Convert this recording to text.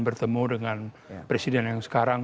bertemu dengan presiden yang sekarang